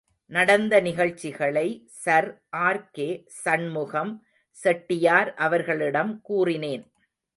நடந்த நிகழ்ச்சிகளை சர் ஆர்.கே.சண்முகம் செட்டியார் அவர்களிடம் கூறினேன்.